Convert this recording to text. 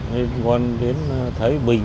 liên quan đến thái bình